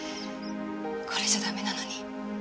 これじゃダメなのに。